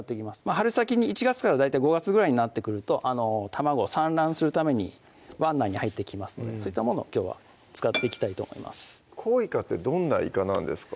春先に１月から大体５月ぐらいになってくると卵を産卵するために湾内に入ってきますのでそういったものをきょうは使っていきたいと思いますコウイカってどんないかなんですか？